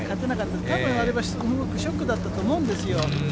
たぶん、あれはものすごくショックだったと思うんですよ。